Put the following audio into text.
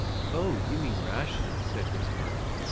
"O, you mean Rashleigh?" said Miss Vernon.